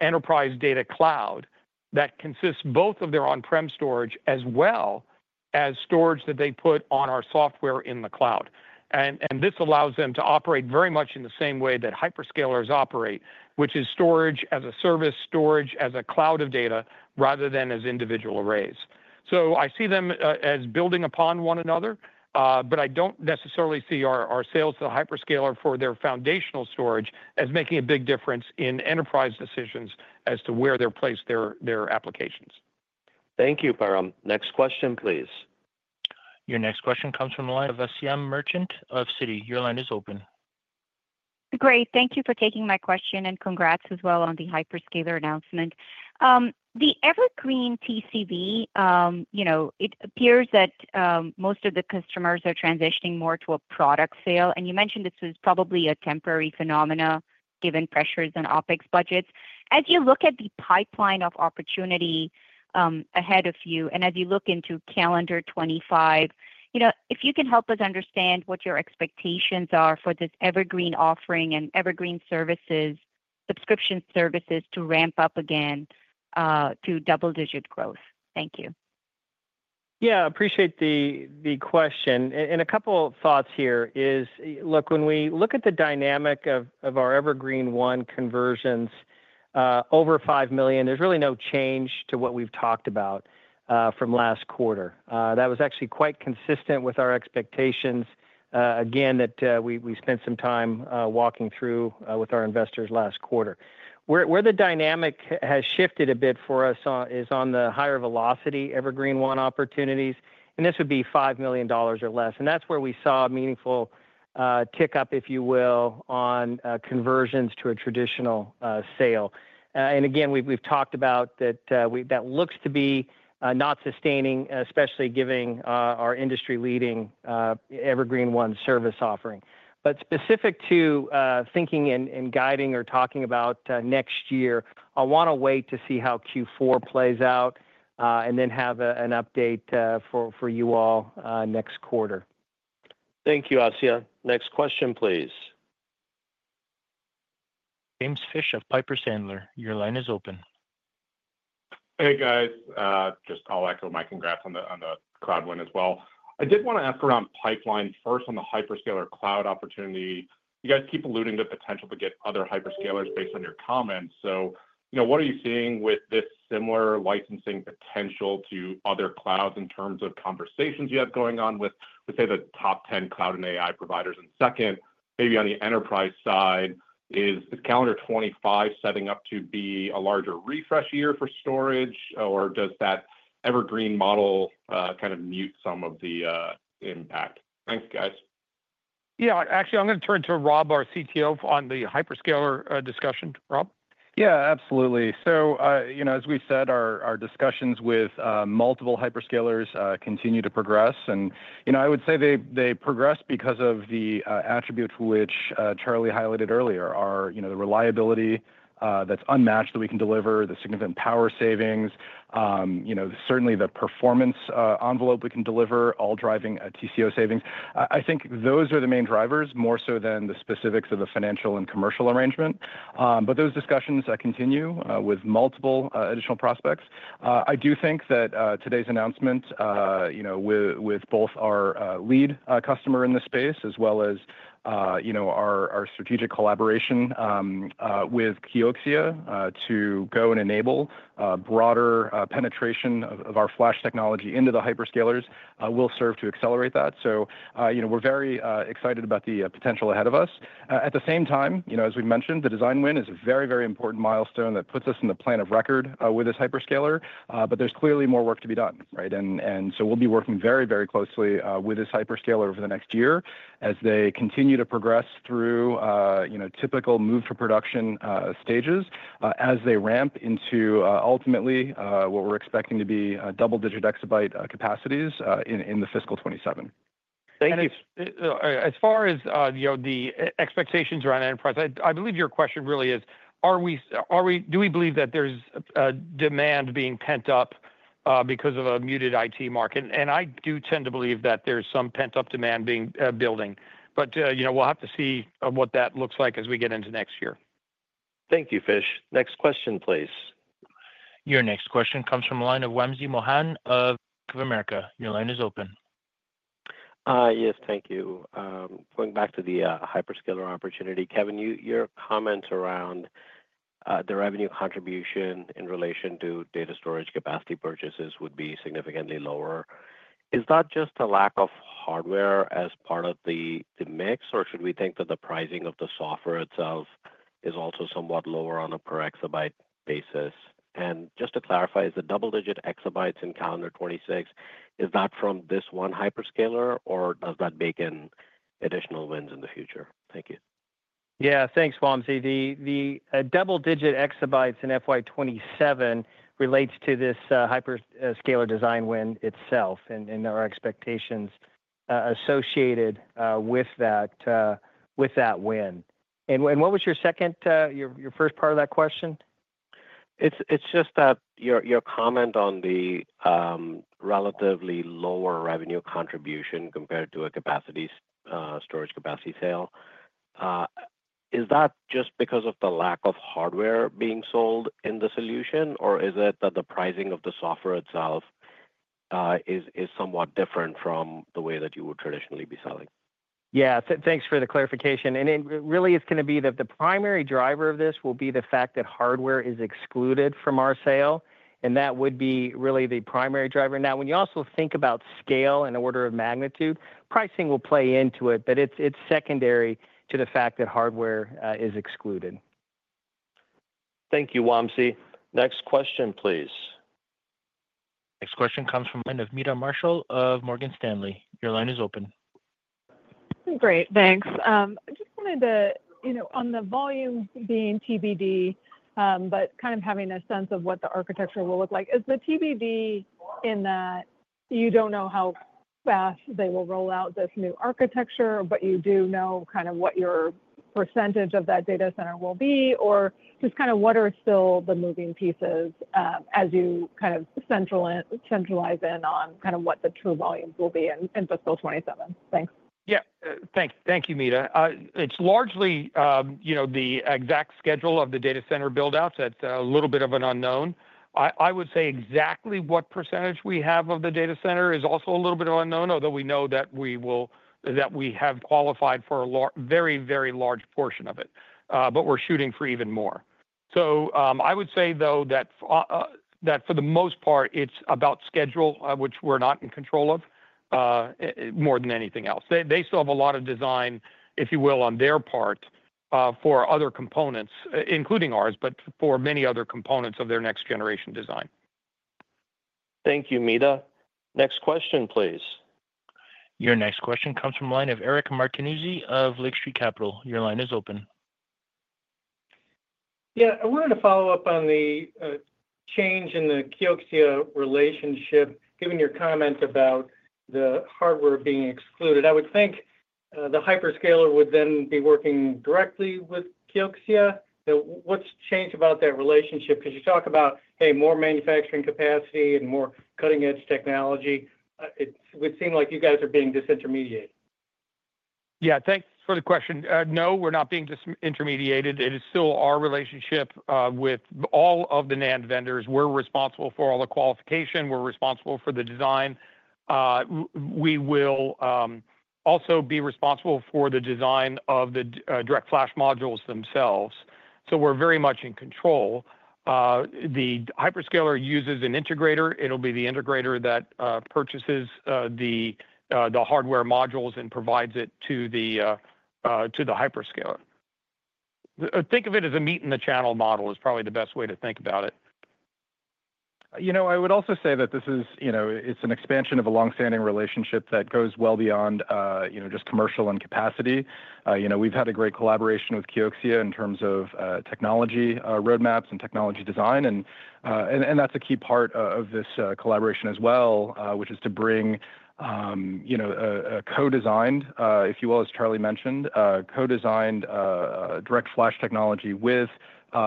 enterprise data cloud that consists both of their on-prem storage as well as storage that they put on our software in the cloud. And this allows them to operate very much in the same way that hyperscalers operate, which is storage as a service, storage as a cloud of data rather than as individual arrays. So I see them as building upon one another, but I don't necessarily see our sales to the hyperscaler for their foundational storage as making a big difference in enterprise decisions as to where they place their applications. Thank you, Param. Next question, please. Your next question comes from the line of Asiya Merchant of Citi. Your line is open. Great. Thank you for taking my question and congrats as well on the hyperscaler announcement. The Evergreen TCV, it appears that most of the customers are transitioning more to a product sale. And you mentioned this was probably a temporary phenomenon given pressures on OpEx budgets. As you look at the pipeline of opportunity ahead of you and as you look into calendar 2025, if you can help us understand what your expectations are for this Evergreen offering and Evergreen services, subscription services to ramp up again to double-digit growth. Thank you. Yeah, appreciate the question, and a couple of thoughts here is, look, when we look at the dynamic of our Evergreen//One conversions over five million, there's really no change to what we've talked about from last quarter. That was actually quite consistent with our expectations, again, that we spent some time walking through with our investors last quarter. Where the dynamic has shifted a bit for us is on the higher velocity Evergreen//One opportunities. And this would be $5 million or less. And that's where we saw a meaningful tick up, if you will, on conversions to a traditional sale. And again, we've talked about that looks to be not sustaining, especially given our industry-leading Evergreen//One service offering. But specific to thinking and guiding or talking about next year, I want to wait to see how Q4 plays out and then have an update for you all next quarter. Thank you, Asiya. Next question, please. James Fish of Piper Sandler. Your line is open. Hey, guys. Just I'll echo my congrats on the cloud win as well. I did want to ask around pipeline first on the hyperscaler cloud opportunity. You guys keep alluding to the potential to get other hyperscalers based on your comments. So what are you seeing with this similar licensing potential to other clouds in terms of conversations you have going on with, let's say, the top 10 cloud and AI providers? And second, maybe on the enterprise side, is calendar 2025 setting up to be a larger refresh year for storage, or does that Evergreen model kind of mute some of the impact? Thanks, guys. Yeah, actually, I'm going to turn to Rob, our CTO, on the hyperscaler discussion. Rob? Yeah, absolutely. So as we said, our discussions with multiple hyperscalers continue to progress. I would say they progress because of the attributes which Charlie highlighted earlier, the reliability that's unmatched that we can deliver, the significant power savings, certainly the performance envelope we can deliver, all driving TCO savings. I think those are the main drivers, more so than the specifics of the financial and commercial arrangement. But those discussions continue with multiple additional prospects. I do think that today's announcement, with both our lead customer in the space as well as our strategic collaboration with Kioxia to go and enable broader penetration of our flash technology into the hyperscalers, will serve to accelerate that. So we're very excited about the potential ahead of us. At the same time, as we mentioned, the design win is a very, very important milestone that puts us in the plan of record with this hyperscaler. But there's clearly more work to be done, right? And so we'll be working very, very closely with this hyperscaler over the next year as they continue to progress through typical move-to-production stages as they ramp into ultimately what we're expecting to be double-digit exabyte capacities in the fiscal 2027. Thank you. As far as the expectations around enterprise, I believe your question really is, do we believe that there's demand being pent up because of a muted IT market? And I do tend to believe that there's some pent-up demand being building. But we'll have to see what that looks like as we get into next year. Thank you, Fish. Next question, please. Your next question comes from the line of Wamsi Mohan of Bank of America. Your line is open. Yes, thank you. Going back to the hyperscaler opportunity, Kevan, your comments around the revenue contribution in relation to data storage capacity purchases would be significantly lower. Is that just a lack of hardware as part of the mix, or should we think that the pricing of the software itself is also somewhat lower on a per-exabyte basis? And just to clarify, is the double-digit exabytes in calendar 2026, is that from this one hyperscaler, or does that bake in additional wins in the future? Thank you. Yeah, thanks, Wamsi. The double-digit exabytes in FY 2027 relates to this hyperscaler design win itself and our expectations associated with that win. And what was your first part of that question? It's just that your comment on the relatively lower revenue contribution compared to a storage capacity sale, is that just because of the lack of hardware being sold in the solution, or is that the pricing of the software itself is somewhat different from the way that you would traditionally be selling? Yeah, thanks for the clarification. And really, it's going to be that the primary driver of this will be the fact that hardware is excluded from our sale. And that would be really the primary driver. Now, when you also think about scale and order of magnitude, pricing will play into it, but it's secondary to the fact that hardware is excluded. Thank you, Wamsi. Next question, please. Next question comes from the line of Meta Marshall of Morgan Stanley. Your line is open. Great, thanks. I just wanted to, on the volume being TBD, but kind of having a sense of what the architecture will look like, is the TBD in that you don't know how fast they will roll out this new architecture, but you do know kind of what your percentage of that data center will be, or just kind of what are still the moving pieces as you kind of centralize in on kind of what the true volume will be in fiscal 2027? Thanks. Yeah, thank you, Meta. It's largely the exact schedule of the data center buildouts. That's a little bit of an unknown. I would say exactly what percentage we have of the data center is also a little bit of an unknown, although we know that we have qualified for a very, very large portion of it. But we're shooting for even more. So I would say, though, that for the most part, it's about schedule, which we're not in control of more than anything else. They still have a lot of design, if you will, on their part for other components, including ours, but for many other components of their next-generation design. Thank you, Meta. Next question, please. Your next question comes from the line of Eric Martinuzzi of Lake Street Capital. Your line is open. Yeah, I wanted to follow up on the change in the Kioxia relationship, given your comment about the hardware being excluded. I would think the hyperscaler would then be working directly with Kioxia. What's changed about that relationship? Because you talk about, hey, more manufacturing capacity and more cutting-edge technology. It would seem like you guys are being disintermediated. Yeah, thanks for the question. No, we're not being disintermediated. It is still our relationship with all of the NAND vendors. We're responsible for all the qualification. We're responsible for the design. We will also be responsible for the design of the DirectFlash modules themselves. So we're very much in control. The hyperscaler uses an integrator. It'll be the integrator that purchases the hardware modules and provides it to the hyperscaler. Think of it as a meet-in-the-channel model. Is probably the best way to think about it. I would also say that this is an expansion of a long-standing relationship that goes well beyond just commercial and capacity. We've had a great collaboration with Kioxia in terms of technology roadmaps and technology design. And that's a key part of this collaboration as well, which is to bring a co-designed, if you will, as Charlie mentioned, co-designed DirectFlash technology with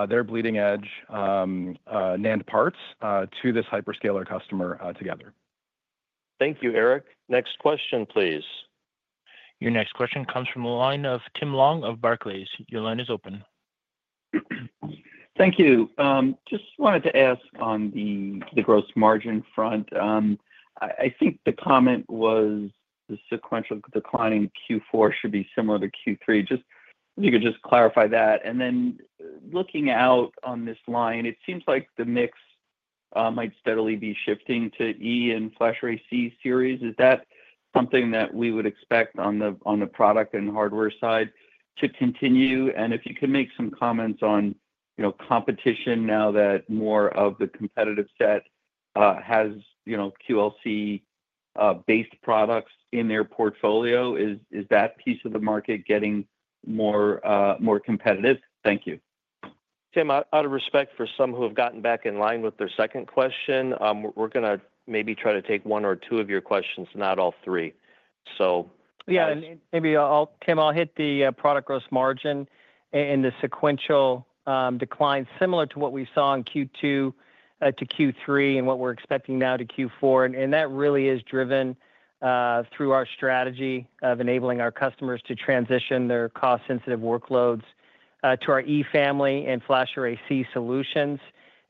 their bleeding-edge NAND parts to this hyperscaler customer together. Thank you, Eric. Next question, please. Your next question comes from the line of Tim Long of Barclays. Your line is open. Thank you. Just wanted to ask on the gross margin front. I think the comment was the sequential declining Q4 should be similar to Q3. Just if you could just clarify that. And then looking out on this line, it seems like the mix might steadily be shifting to E Family and FlashArray//C series. Is that something that we would expect on the product and hardware side to continue? And if you can make some comments on competition now that more of the competitive set has QLC-based products in their portfolio, is that piece of the market getting more competitive? Thank you. Tim, out of respect for some who have gotten back in line with their second question, we're going to maybe try to take one or two of your questions, not all three. Yeah, and maybe, Tim, I'll hit the product gross margin and the sequential decline similar to what we saw in Q2 to Q3 and what we're expecting now to Q4. And that really is driven through our strategy of enabling our customers to transition their cost-sensitive workloads to our E Family and FlashArray//C solutions.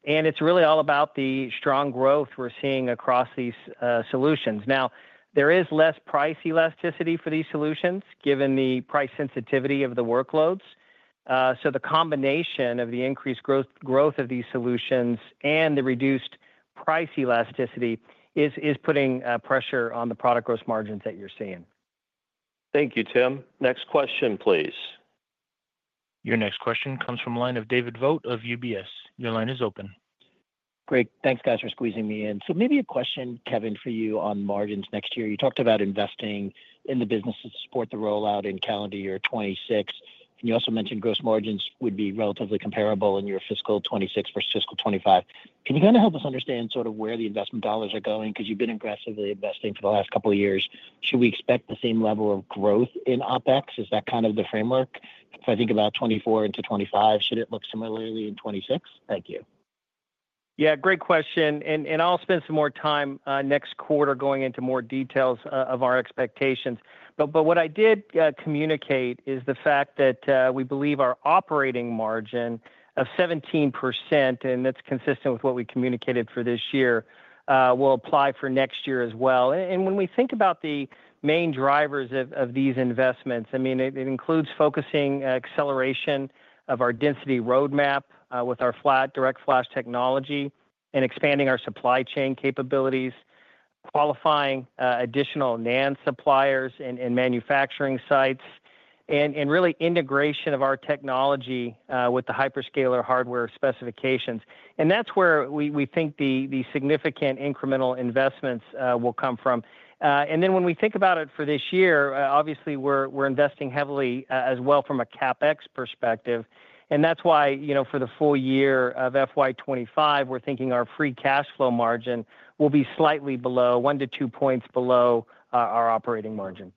And it's really all about the strong growth we're seeing across these solutions. Now, there is less price elasticity for these solutions given the price sensitivity of the workloads. So the combination of the increased growth of these solutions and the reduced price elasticity is putting pressure on the product gross margins that you're seeing. Thank you, Tim. Next question, please. Your next question comes from the line of David Vogt of UBS. Your line is open. Great. Thanks, guys, for squeezing me in. So maybe a question, Kevan, for you on margins next year. You talked about investing in the business to support the rollout in calendar year 2026. And you also mentioned gross margins would be relatively comparable in your fiscal 2026 versus fiscal 2025. Can you kind of help us understand sort of where the investment dollars are going? Because you've been aggressively investing for the last couple of years. Should we expect the same level of growth in OpEx? Is that kind of the framework? If I think about 2024 into 2025, should it look similarly in 2026? Thank you. Yeah, great question. And I'll spend some more time next quarter going into more details of our expectations. But what I did communicate is the fact that we believe our operating margin of 17%, and that's consistent with what we communicated for this year, will apply for next year as well. And when we think about the main drivers of these investments, I mean, it includes focusing acceleration of our density roadmap with our DirectFlash technology and expanding our supply chain capabilities, qualifying additional NAND suppliers and manufacturing sites, and really integration of our technology with the hyperscaler hardware specifications. And that's where we think the significant incremental investments will come from. And then when we think about it for this year, obviously, we're investing heavily as well from a CapEx perspective. And that's why for the full year of FY 2025, we're thinking our free cash flow margin will be slightly below, one to two points below our operating margin.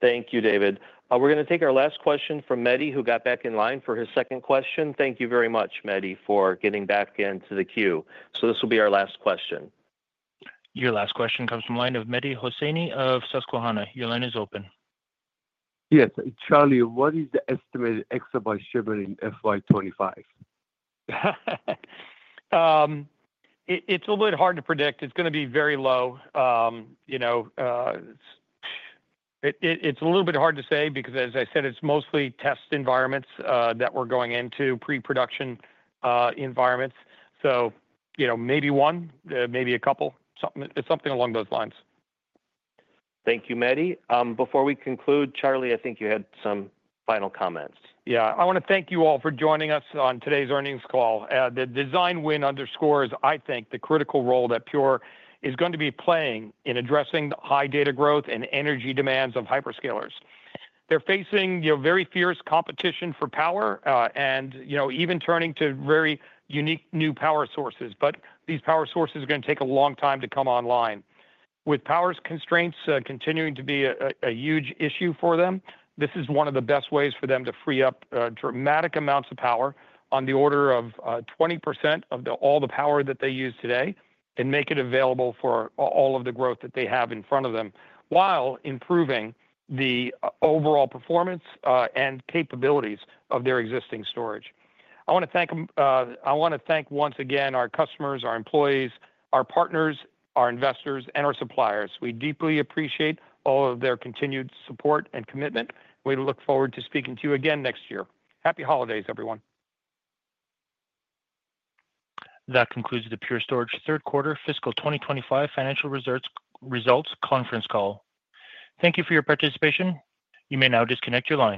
Thank you, David. We're going to take our last question from Mehdi, who got back in line for his second question. Thank you very much, Mehdi, for getting back into the queue. So this will be our last question. Your last question comes from the line of Mehdi Hosseini of Susquehanna. Your line is open. Yes, Charlie, what is the estimated exabyte shipment in FY 2025? It's a little bit hard to predict. It's going to be very low. It's a little bit hard to say because, as I said, it's mostly test environments that we're going into, pre-production environments. So maybe one, maybe a couple, something along those lines. Thank you, Mehdi. Before we conclude, Charlie, I think you had some final comments. Yeah, I want to thank you all for joining us on today's earnings call. The design win underscores, I think, the critical role that Pure is going to be playing in addressing the high data growth and energy demands of hyperscalers. They're facing very fierce competition for power and even turning to very unique new power sources. But these power sources are going to take a long time to come online. With power constraints continuing to be a huge issue for them, this is one of the best ways for them to free up dramatic amounts of power on the order of 20% of all the power that they use today and make it available for all of the growth that they have in front of them while improving the overall performance and capabilities of their existing storage. I want to thank once again our customers, our employees, our partners, our investors, and our suppliers. We deeply appreciate all of their continued support and commitment. We look forward to speaking to you again next year. Happy holidays, everyone. That concludes the Pure Storage Third Quarter Fiscal 2025 Financial Results Conference Call. Thank you for your participation. You may now disconnect your line.